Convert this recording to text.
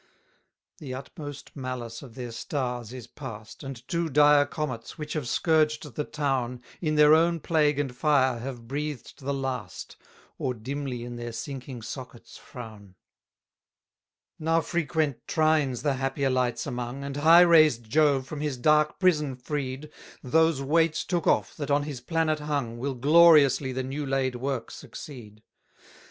291 The utmost malice of their stars is past, And two dire comets, which have scourged the town, In their own plague and fire have breathed the last, Or dimly in their sinking sockets frown. 292 Now frequent trines the happier lights among, And high raised Jove, from his dark prison freed, Those weights took off that on his planet hung, Will gloriously the new laid work succeed.